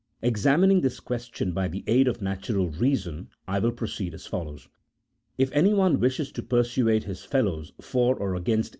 Examining this question by the aid of natural reason, I will proceed as follows. If anyone wishes to persuade his fellows for or against CHAP.